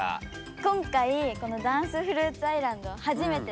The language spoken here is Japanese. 今回このダンスフルーツアイランドははじめて。